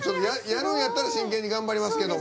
やるんやったら真剣に頑張りますけど。